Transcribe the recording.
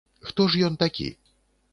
Хто ж ён такі?